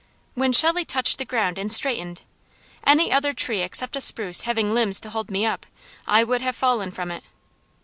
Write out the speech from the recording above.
When Shelley touched the ground and straightened, any other tree except a spruce having limbs to hold me up, I would have fallen from it.